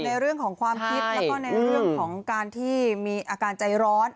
ในเรื่องของความคิดแล้วก็ในเรื่องของการที่มีอาการใจร้อน